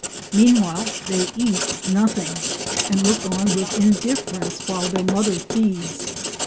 Meanwhile they eat nothing, and look on with indifference while their mother feeds.